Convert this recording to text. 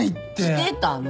してたの。